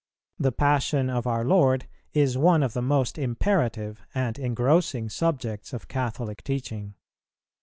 The passion of our Lord is one of the most imperative and engrossing subjects of Catholic teaching.